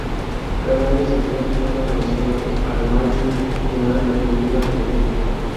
Cada año se crea un tema relacionado al Malbec y a la cultura argentina.